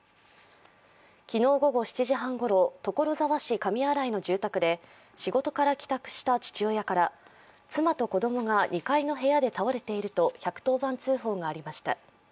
昨日午後７時半ごろ所沢市上新井の住宅で仕事から帰宅した父親から妻と子供が２階の部屋で倒れていると１１０番通報がありました。